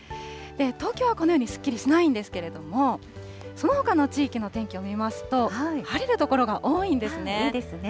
東京はこのようにすっきりしないんですけれども、そのほかの地域の天気を見ますと、晴れる所が多いんですね。